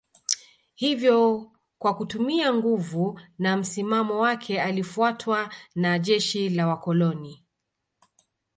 Hivyo kwa kutumia nguvu na msimamo wake alifuatwa na jeshi la Wakoloni